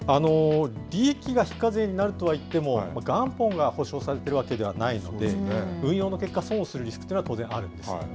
利益が非課税になるといっても、元本が保証されてるわけではないので、運用の結果、損をするリスクというのは当然あるんです。